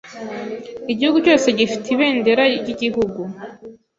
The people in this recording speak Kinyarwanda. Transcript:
Igihugu cyose gifite ibendera ryigihugu.